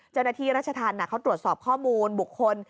เจ้าหน้าที่รัชธรรมเขาตรวจสอบข้อมูลบุคคล